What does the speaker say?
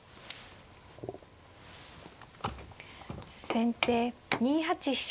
先手２八飛車。